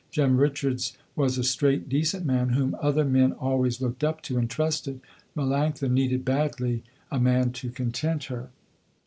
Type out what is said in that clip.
Jem Richards was a straight decent man, whom other men always looked up to and trusted. Melanctha needed badly a man to content her.